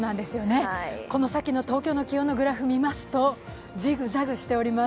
この先の東京の気温のグラフを見ますと、ジグザグしています。